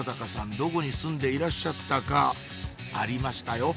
どこに住んでいらっしゃったかありましたよ